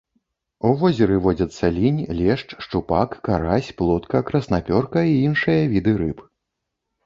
У возеры водзяцца лінь, лешч, шчупак, карась, плотка, краснапёрка і іншыя віды рыб.